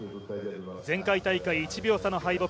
前回大会１秒差の敗北。